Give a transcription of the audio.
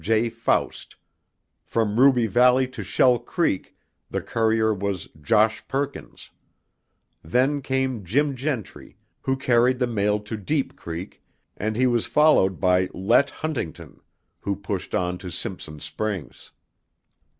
J. Faust; from Ruby Valley to Shell Creek the courier was "Josh" Perkins; then came Jim Gentry who carried the mail to Deep Creek, and he was followed by "Let" Huntington who pushed on to Simpson's Springs.